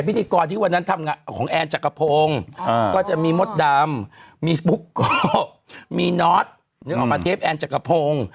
แต่พิธีกรที่วันนั้นทำของแอร์จากกระโพงก็จะมีมดดำมีปุ๊กโกะมีนอทนึกออกมาเทปแอร์จากกระโพง